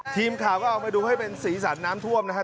ทีมข่าวก็เอามาดูให้เป็นสีสันน้ำท่วมนะครับ